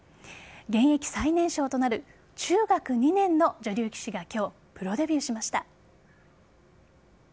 現役最年少となる中学２年の女流棋士が今日、プロデビューしました。